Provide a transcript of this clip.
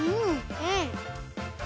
うん！